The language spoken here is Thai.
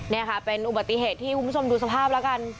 นี่ค่ะเป็นอุบัติเหตุที่คุณผู้ชมดูสภาพแล้วกัน